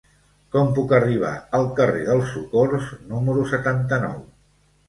Com puc arribar al carrer del Socors número setanta-nou?